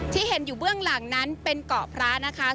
ที่เห็นอยู่เบื้องหลังนั้นเป็นเกาะพระนะคะ